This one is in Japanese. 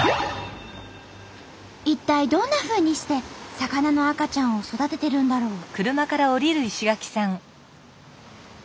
一体どんなふうにして魚の赤ちゃんを育ててるんだろう？